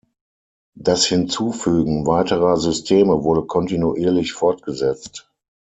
Das Hinzufügen weiterer Systeme wurde kontinuierlich fortgesetzt.